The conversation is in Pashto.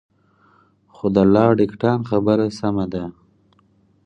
خو د لارډ اکټان خبره سمه ده.